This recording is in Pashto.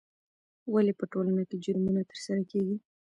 ولې په ټولنه کې جرمونه ترسره کیږي؟